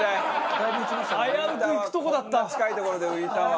こんな近い所で浮いたわ。